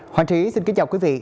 hoàng trí xin kính chào quý vị